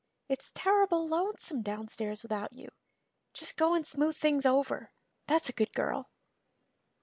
It's terrible lonesome downstairs without you. Just go and smooth things over that's a good girl."